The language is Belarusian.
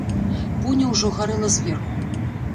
Пуня ўжо гарэла зверху.